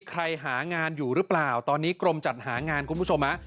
ใครหางานอยู่หรือเปล่าตอนนี้กรมจัดหางานคุณผู้ชมฮะ